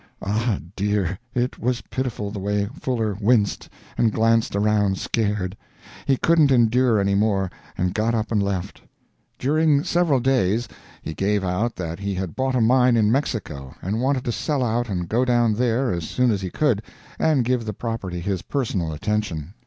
Ah, dear, it was pitiful the way Fuller winced, and glanced around scared! He couldn't endure any more, and got up and left. During several days he gave out that he had bought a mine in Mexico, and wanted to sell out and go down there as soon as he could, and give the property his personal attention.